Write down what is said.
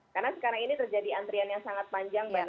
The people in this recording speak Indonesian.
karena sekarang ini terjadi antrian yang sangat panjang bapak ibu